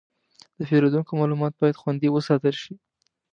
د پیرودونکو معلومات باید خوندي وساتل شي.